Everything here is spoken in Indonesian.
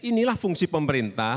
inilah fungsi pemerintah